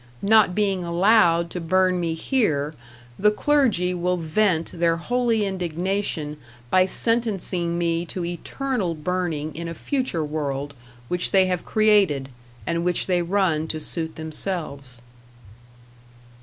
Not being allowed to burn me here, the clergy will vent their holy indignation by sentencing me to eternal burning in a future world which they have created, and which they run to suit themselves.